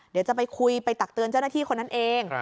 เดี๋ยวจะไปคุยไปตักเตือนเจ้าหน้าที่คนนั้นเอง